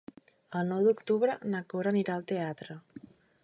El nou d'octubre na Cora anirà al teatre.